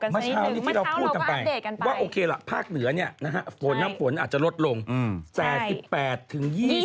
เมื่อเช้านี้ที่เราพูดกันไปว่าโอเคล่ะภาคเหนือเนี่ยนะฮะฝนฝนอาจจะลดลง